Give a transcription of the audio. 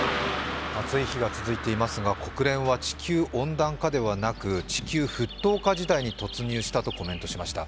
暑い日が続いていますが国連は地球温暖化ではなく地球沸騰化時代に突入したとコメントしました。